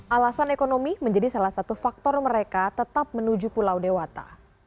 alasan ekonomi menjadi salah satu faktor mereka tetap menuju pulau dewata